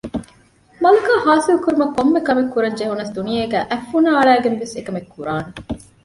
މަލަކާ ހާސިލް ކުރުމަށް ކޮންމެ ކަމެއް ކުރަން ޖެހުނަސް ދުނިޔޭގައި އަތް ފުނާ އަޅައިގެން ވެސް އެކަމެއް ކުރާނެ